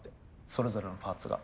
それぞれのパーツが。